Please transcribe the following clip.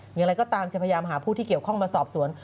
อย่างไรก็ตามจะพยายามหาผู้ที่เกี่ยวข้องมาสอบสวน